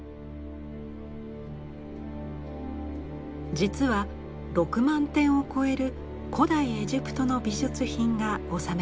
実は６万点を超える古代エジプトの美術品が収められています。